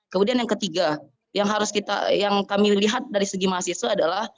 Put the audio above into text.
kemudian yang ketiga yang kami lihat dari segi mahasiswa adalah